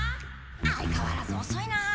相かわらずおそいなあ。